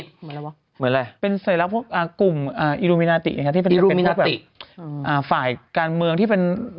เหมือนอะไรเป็นสัญลักษณ์พวกกลุ่มอิลูมินาติที่เป็นฝ่ายการเมืองที่เป็น